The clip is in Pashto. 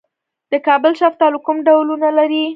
د کابل شفتالو کوم ډولونه لري؟